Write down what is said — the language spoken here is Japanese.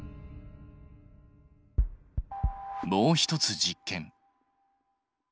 もう一つ実験。